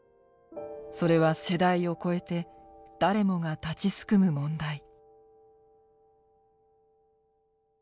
それは世代を超えて誰もが立ちすくむ問題。